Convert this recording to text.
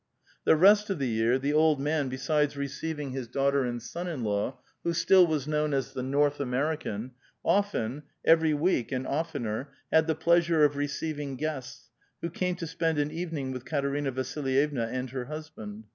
The rest of the year, the old man, besides receiving his daughter and son in law, who still was known as the North American, often — every week, and oftener — had the pleasure of receiving guests, who came to spend an evening with Katerina Vasilyevna and her husband.